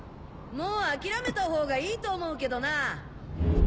・もう諦めたほうがいいと思うけどなぁ・・